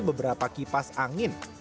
beberapa kipas angin